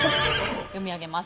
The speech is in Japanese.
読み上げます。